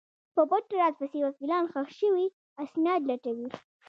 په پټ راز پسې وکیلان ښخ شوي اسناد لټوي.